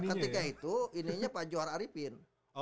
ketika itu ininya pak johar arifin